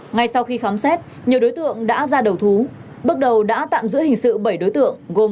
ngay sau khi khám xét nhiều đối tượng đã ra đầu thú bước đầu đã tạm giữ hình sự bảy đối tượng gồm